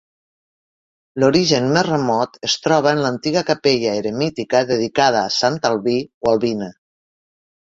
L'origen més remot es troba en l'antiga capella eremítica dedicada a Sant Albí o Albina.